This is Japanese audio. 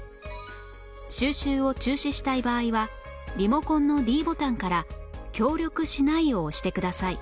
収集を中止したい場合はリモコンの ｄ ボタンから「協力しない」を押してください